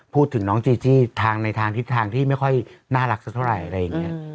พูดถึงน้องจีจี้ทางในทางทิศทางที่ไม่ค่อยน่ารักสักเท่าไหร่อะไรอย่างนี้